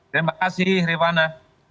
terima kasih rifana